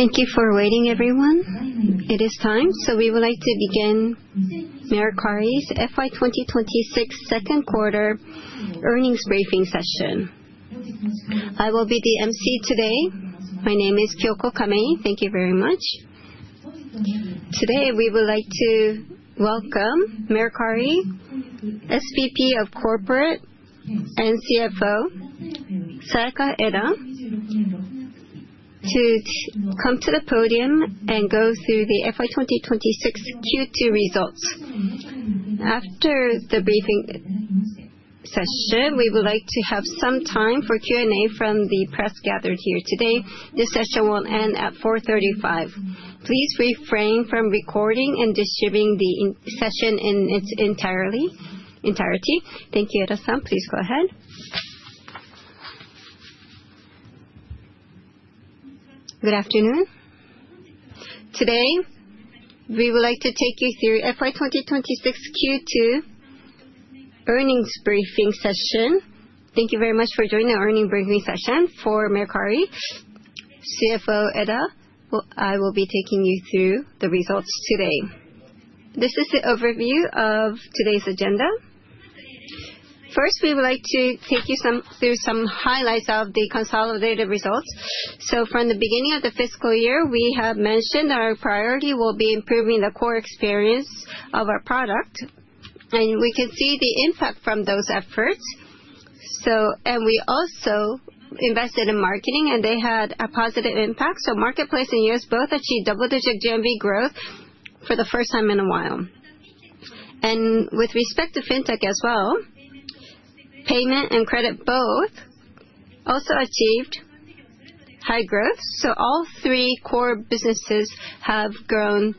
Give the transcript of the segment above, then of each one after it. Thank you for waiting, everyone. It is time, so we would like to begin Mercari's FY 2026 second quarter earnings briefing session. I will be the MC today. My name is Kyoko Kamei. Thank you very much. Today, we would like to welcome Mercari SVP of Corporate and CFO, Sayaka Eda, to come to the podium and go through the FY 2026 Q2 results. After the briefing session, we would like to have some time for Q&A from the press gathered here today. This session will end at 4:35 P.M. Please refrain from recording and distributing the session in its entirety. Thank you, Eda-san. Please go ahead. Good afternoon. Today, we would like to take you through FY 2026 Q2 earnings briefing session. Thank you very much for joining the earning briefing session for Mercari. CFO Eda. I will be taking you through the results today. This is the overview of today's agenda. First, we would like to take you through some highlights of the consolidated results. From the beginning of the fiscal year, we have mentioned our priority will be improving the core experience of our product, and we can see the impact from those efforts. We also invested in marketing, and they had a positive impact. Marketplace and U.S. both achieved double-digit GMV growth for the first time in a while. With respect to fintech as well, payment and credit both also achieved high growth. All three core businesses have grown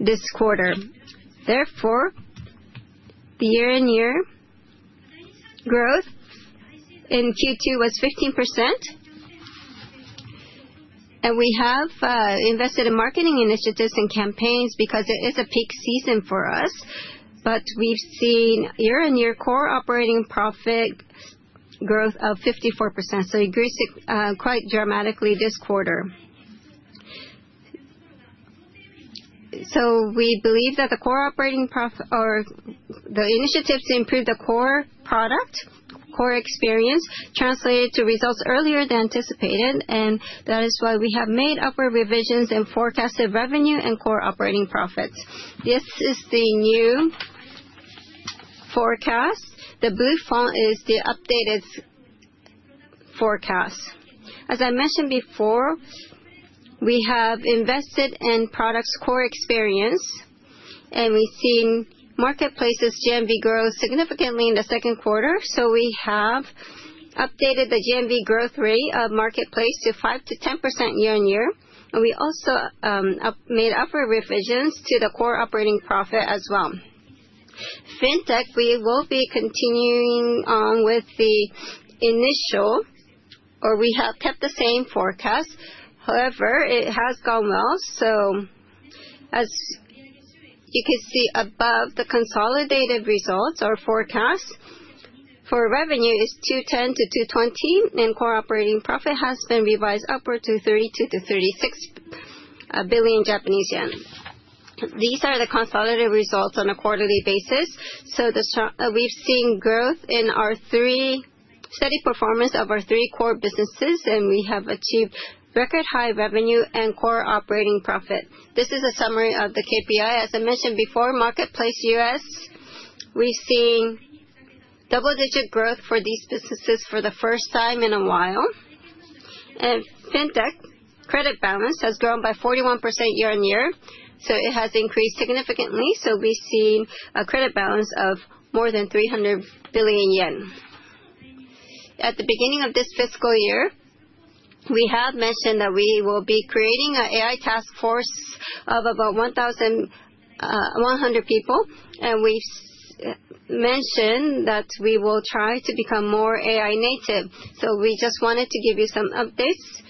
this quarter. Therefore, the year-on-year growth in Q2 was 15%. We have invested in marketing initiatives and campaigns because it is a peak season for us. But we've seen year-on-year core operating profit growth of 54%, so it grew quite dramatically this quarter. We believe that the initiatives to improve the core product, core experience, translated to results earlier than anticipated, and that is why we have made upward revisions in forecasted revenue and core operating profits. This is the new forecast. The blue font is the updated forecast. As I mentioned before, we have invested in product's core experience, and we've seen Marketplace's GMV grow significantly in the second quarter. We have updated the GMV growth rate of Marketplace to 5%-10% year-on-year, and we also made upward revisions to the core operating profit as well. Fintech, we will be continuing on with the initial, or we have kept the same forecast. However, it has gone well. As you can see above, the consolidated results or forecast for revenue is 210 billion-220 billion, and core operating profit has been revised upward to 32 billion-36 billion Japanese yen. These are the consolidated results on a quarterly basis. We've seen growth in our steady performance of our three core businesses, and we have achieved record high revenue and core operating profit. This is a summary of the KPI. As I mentioned before, Marketplace U.S., we've seen double-digit growth for these businesses for the first time in a while. Fintech credit balance has grown by 41% year-on-year, so it has increased significantly. We've seen a credit balance of more than 300 billion yen. At the beginning of this fiscal year, we have mentioned that we will be creating an AI task force of about 1,100 people, and we've mentioned that we will try to become more AI native. We just wanted to give you some updates.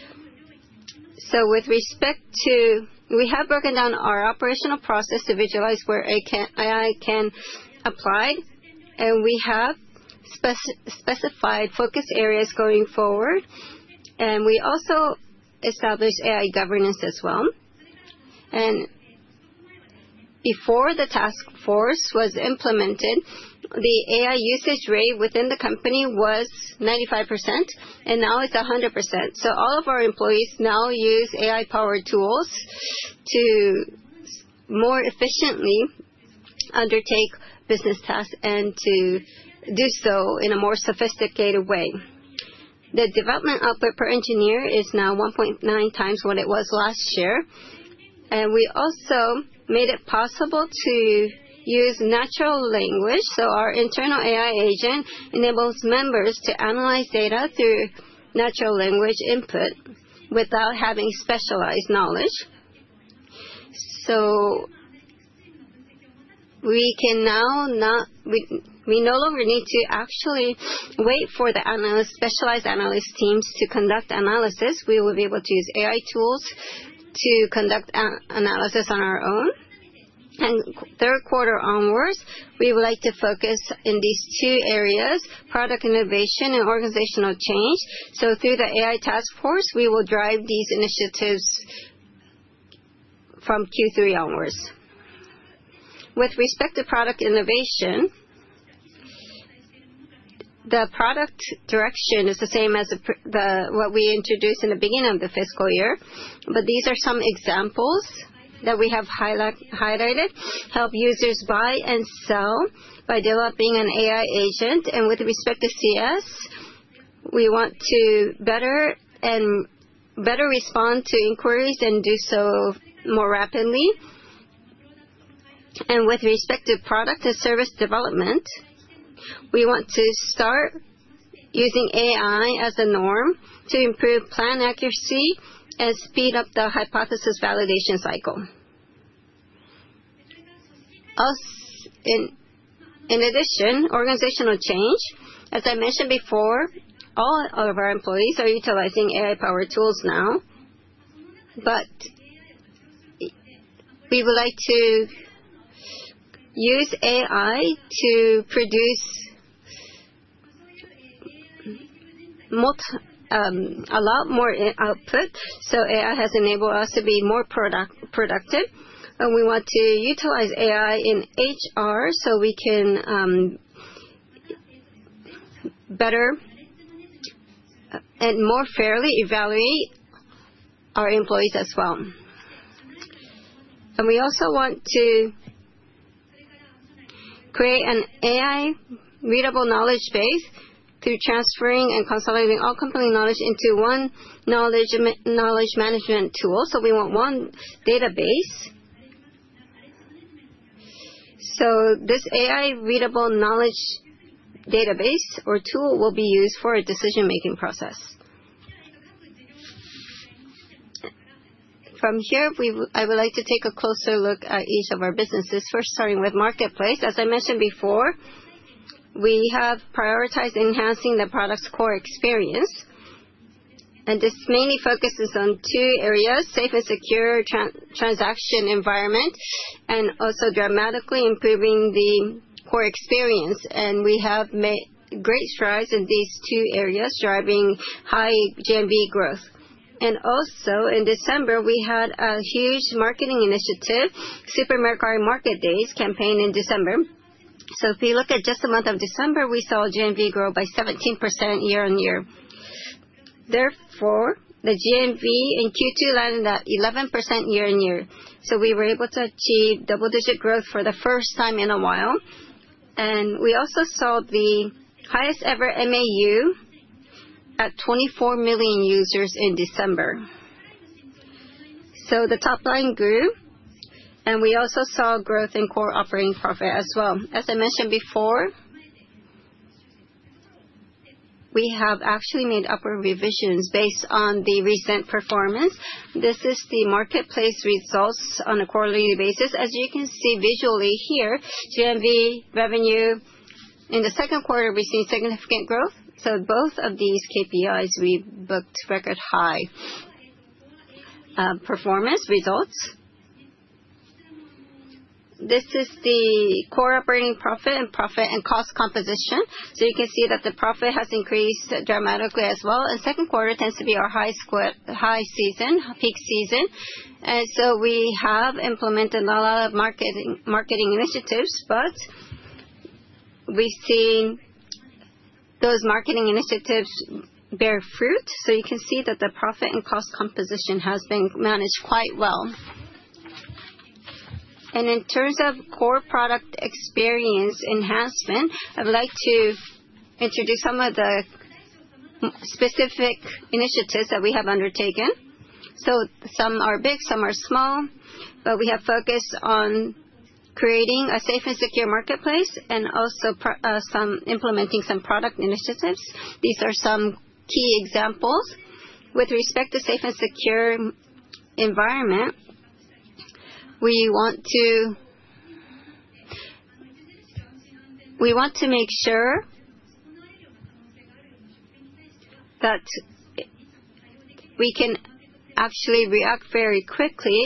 With respect to, we have broken down our operational process to visualize where AI can apply, we have specified focus areas going forward. We also established AI governance as well. Before the task force was implemented, the AI usage rate within the company was 95%, and now it's 100%. All of our employees now use AI-powered tools to more efficiently undertake business tasks and to do so in a more sophisticated way. The development output per engineer is now 1.9 times what it was last year, we also made it possible to use natural language. Our internal AI agent enables members to analyze data through natural language input without having specialized knowledge. We no longer need to actually wait for the specialized analyst teams to conduct analysis. We will be able to use AI tools to conduct analysis on our own. Third quarter onwards, we would like to focus in these two areas, product innovation and organizational change. Through the AI task force, we will drive these initiatives from Q3 onwards. With respect to product innovation, the product direction is the same as what we introduced in the beginning of the fiscal year. These are some examples that we have highlighted. Help users buy and sell by developing an AI agent. With respect to CS, we want to better respond to inquiries and do so more rapidly. With respect to product and service development, we want to start using AI as a norm to improve plan accuracy and speed up the hypothesis validation cycle. Organizational change, as I mentioned before, all of our employees are utilizing AI-powered tools now, but we would like to use AI to produce a lot more output. AI has enabled us to be more productive, we want to utilize AI in HR so we can better and more fairly evaluate our employees as well. We also want to create an AI readable knowledge base through transferring and consolidating all company knowledge into one knowledge management tool. We want one database. This AI readable knowledge database or tool will be used for a decision-making process. From here, I would like to take a closer look at each of our businesses. First, starting with Marketplace. As I mentioned before, we have prioritized enhancing the product's core experience, this mainly focuses on two areas, safe and secure transaction environment and also dramatically improving the core experience. We have made great strides in these two areas, driving high GMV growth. Also in December, we had a huge marketing initiative, Super Mercari Market Days campaign in December. If you look at just the month of December, we saw GMV grow by 17% year-on-year. Therefore, the GMV in Q2 landed at 11% year-on-year. We were able to achieve double-digit growth for the first time in a while. We also saw the highest ever MAU at 24 million users in December. The top line grew, we also saw growth in core operating profit as well. As I mentioned before, we have actually made upward revisions based on the recent performance. This is the Marketplace results on a quarterly basis. As you can see visually here, GMV revenue in the second quarter, we've seen significant growth. Both of these KPIs, we booked record high performance results. This is the core operating profit and profit and cost composition. You can see that the profit has increased dramatically as well. Second quarter tends to be our high season, peak season. We have implemented a lot of marketing initiatives, but we've seen those marketing initiatives bear fruit. You can see that the profit and cost composition has been managed quite well. In terms of core product experience enhancement, I'd like to introduce some of the specific initiatives that we have undertaken. Some are big, some are small, but we have focused on creating a safe and secure marketplace and also implementing some product initiatives. These are some key examples. With respect to safe and secure environment, we want to make sure that we can actually react very quickly.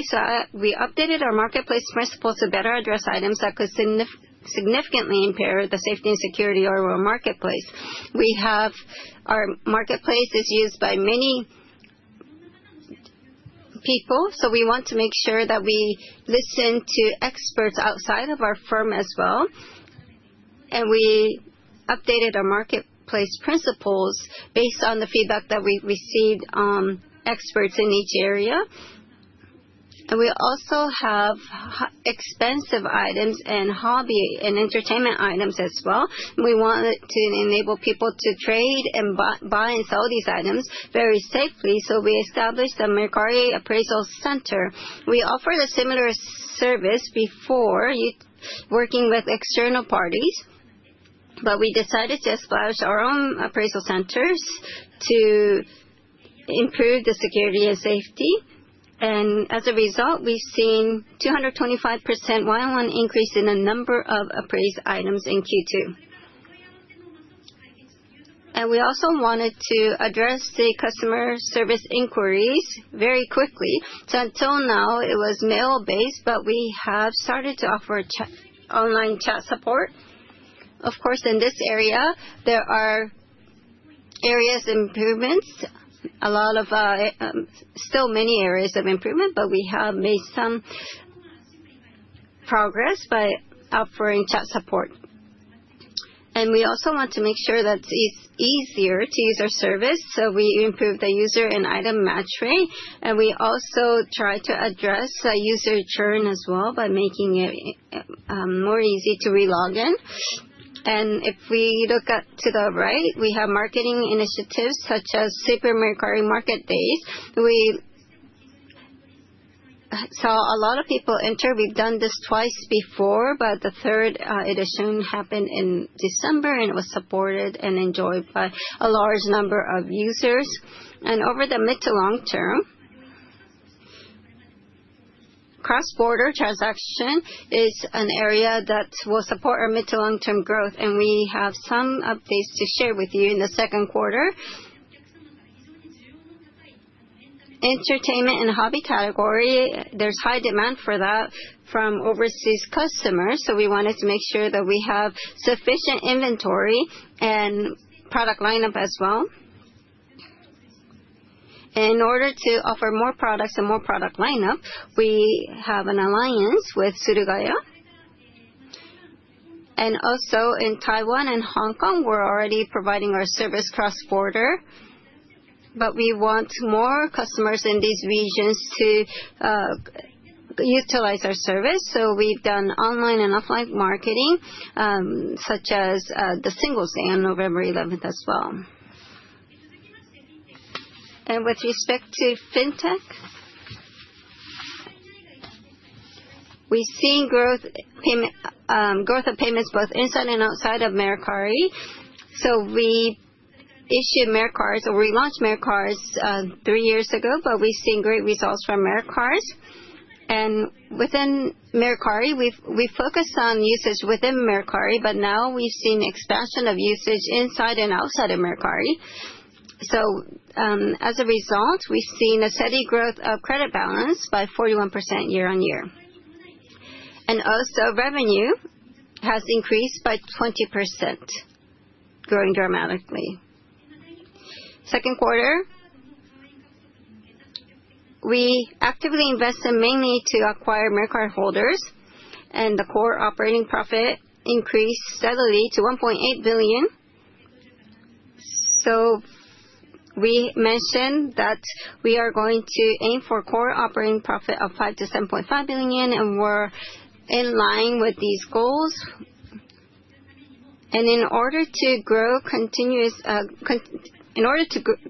We updated our marketplace principles to better address items that could significantly impair the safety and security of our marketplace. Our marketplace is used by many people, so we want to make sure that we listen to experts outside of our firm as well. We updated our marketplace principles based on the feedback that we received experts in each area. We also have expensive items and hobby and entertainment items as well. We want to enable people to trade and buy and sell these items very safely. We established a Mercari appraisal center. We offered a similar service before working with external parties, but we decided to establish our own appraisal centers to improve the security and safety. As a result, we've seen 225% year-on-increase in the number of appraised items in Q2. We also wanted to address the customer service inquiries very quickly. Until now, it was mail-based, but we have started to offer online chat support. Of course, in this area, there are areas of improvement, still many areas of improvement, but we have made some progress by offering chat support. We also want to make sure that it's easier to use our service, so we improved the user and item match rate, and we also try to address user churn as well by making it more easy to re-log in. If we look up to the right, we have marketing initiatives such as Super Mercari Market Days. A lot of people enter. We've done this twice before, but the third edition happened in December, and it was supported and enjoyed by a large number of users. Over the mid to long term, cross-border transaction is an area that will support our mid to long-term growth, and we have some updates to share with you in the second quarter. Entertainment and hobby category, there's high demand for that from overseas customers. We wanted to make sure that we have sufficient inventory and product lineup as well. In order to offer more products and more product lineup, we have an alliance with Surugaya. In Taiwan and Hong Kong, we're already providing our service cross-border, but we want more customers in these regions to utilize our service, so we've done online and offline marketing, such as the Singles' Day on November 11th as well. With respect to fintech, we're seeing growth of payments both inside and outside of Mercari. We issued Mercard, or we launched Mercard 3 years ago, but we have seen great results from Mercard. Within Mercari, we focused on usage within Mercari, but now we have seen expansion of usage inside and outside of Mercari. As a result, we have seen a steady growth of credit balance by 41% year-on-year. Also, revenue has increased by 20%, growing dramatically. Second quarter, we actively invest mainly to acquire Mercard holders, and the core operating profit increased steadily to 1.8 billion. We mentioned that we are going to aim for core operating profit of 5 billion-7.5 billion yen, and we are in line with these goals. In order to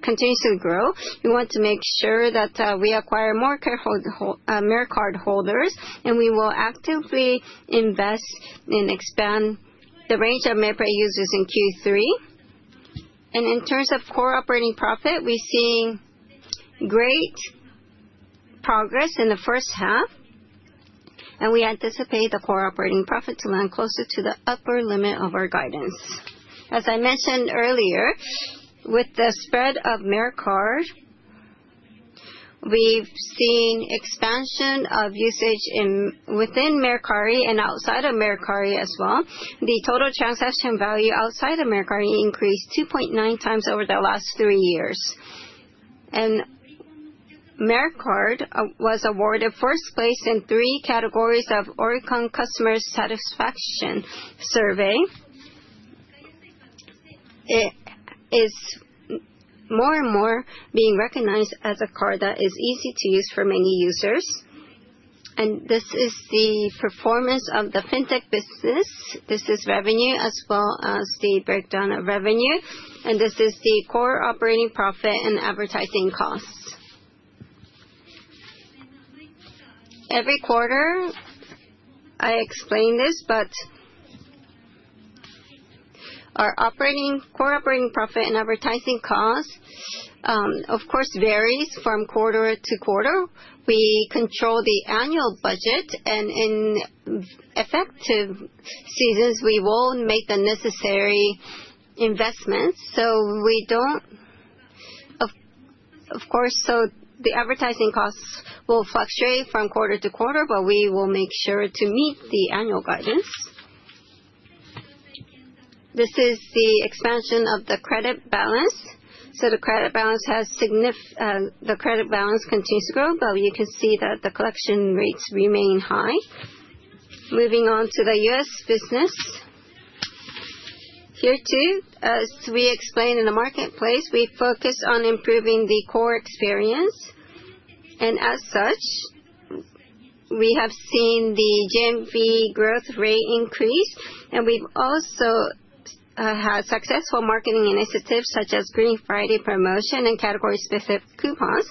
continuously grow, we want to make sure that we acquire more Mercard holders, and we will actively invest and expand the range of Mercari users in Q3. In terms of core operating profit, we are seeing great progress in the first half, and we anticipate the core operating profit to land closer to the upper limit of our guidance. As I mentioned earlier, with the spread of Mercari, we have seen expansion of usage within Mercari and outside of Mercari as well. The total transaction value outside of Mercari increased 2.9 times over the last 3 years. Mercari was awarded first place in 3 categories of Oricon customer satisfaction survey. It is more and more being recognized as a card that is easy to use for many users. This is the performance of the fintech business. This is revenue as well as the breakdown of revenue, and this is the core operating profit and advertising costs. Every quarter, I explain this, but our core operating profit and advertising cost, of course, varies from quarter to quarter. We control the annual budget, and in effective seasons, we will make the necessary investments. Of course, the advertising costs will fluctuate from quarter to quarter, but we will make sure to meet the annual guidance. This is the expansion of the credit balance. The credit balance continues to grow, but you can see that the collection rates remain high. Moving on to the U.S. business. Here, too, as we explained in the marketplace, we focused on improving the core experience. As such, we have seen the GMV growth rate increase, and we have also had successful marketing initiatives such as Green Friday promotion and category-specific coupons.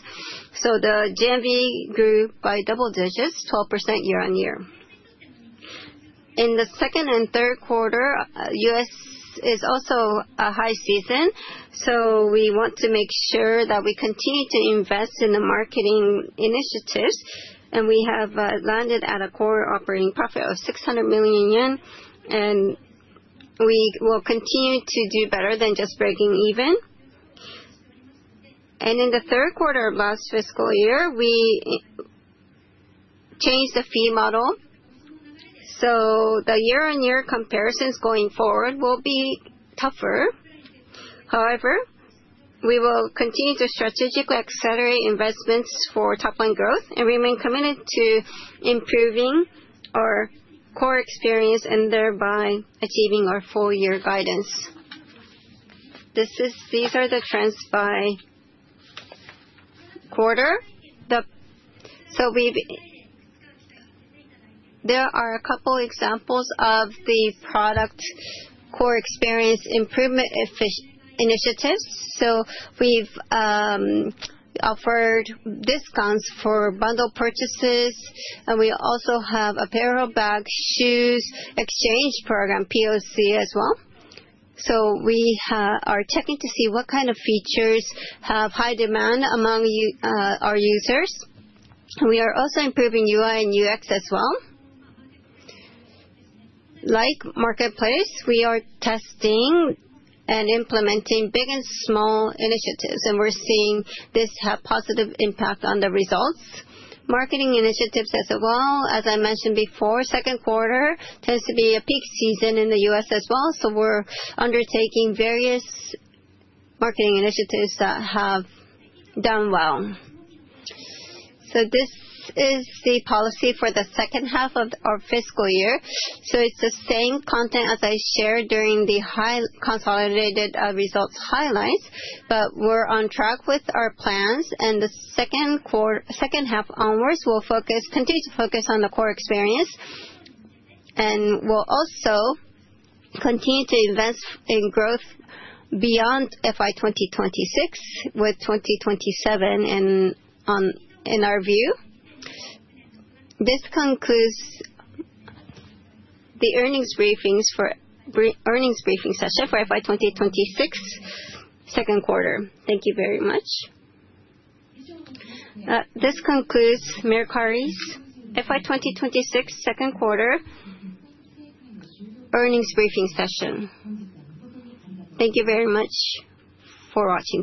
The GMV grew by double digits, 12% year-on-year. In the second and third quarter, U.S. is also a high season. We want to make sure that we continue to invest in the marketing initiatives, and we have landed at a core operating profit of 600 million yen, and we will continue to do better than just breaking even. In the third quarter of last fiscal year, we changed the fee model. The year-on-year comparisons going forward will be tougher. However, we will continue to strategically accelerate investments for top-line growth and remain committed to improving our core experience, and thereby achieving our full year guidance. These are the trends by quarter. There are a couple examples of the product core experience improvement initiatives. We have offered discounts for bundle purchases, and we also have apparel, bag, shoes exchange program, POC, as well. We are checking to see what kind of features have high demand among our users, and we are also improving UI and UX as well. Like marketplace, we are testing and implementing big and small initiatives, and we're seeing this have positive impact on the results. Marketing initiatives as well. As I mentioned before, second quarter tends to be a peak season in the U.S. as well, so we're undertaking various marketing initiatives that have done well. This is the policy for the second half of our fiscal year. It's the same content as I shared during the consolidated results highlights. We're on track with our plans, and the second half onwards, we'll continue to focus on the core experience, and we'll also continue to invest in growth beyond FY 2026, with 2027 in our view. This concludes the earnings briefing session for FY 2026 second quarter. Thank you very much. This concludes Mercari's FY 2026 second quarter earnings briefing session. Thank you very much for watching.